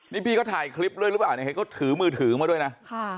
นี่พี่เขาถ่ายคลิปด้วยหรือเปล่าเนี่ยเห็นเขาถือมือถือมาด้วยนะ